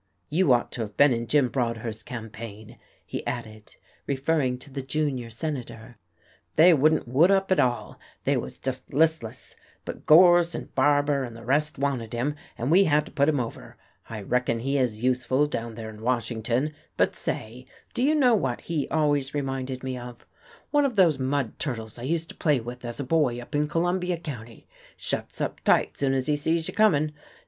You ought to have been in Jim Broadhurst's campaign," he added, referring to the junior senator, "they wouldn't wood up at all, they was just listless. But Gorse and Barbour and the rest wanted him, and we had to put him over. I reckon he is useful down there in Washington, but say, do you know what he always reminded me of? One of those mud turtles I used to play with as a boy up in Columbia County, shuts up tight soon as he sees you coming.